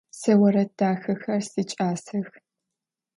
Se vored daxexer siç'asex.